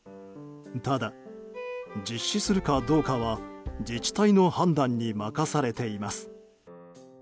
ただ、実施するかどうかは自治体の判断に任されています。